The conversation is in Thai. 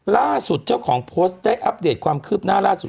ล่าสุดเจ้าของโพสต์ได้อัปเดตความคืบหน้าล่าสุด